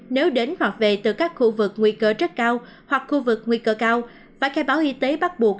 nếu đến hoặc về từ các khu vực nguy cơ rất cao hoặc khu vực nguy cơ cao phải khai báo y tế bắt buộc